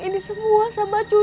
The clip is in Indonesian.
ini semua sama cucu